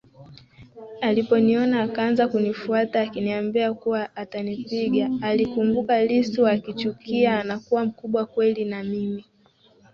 Aliponiona akaanza kunifuata akiniambia kuwa atanipiga alikumbuka LissuAkichukia anakuwa mkubwa kweli na mimi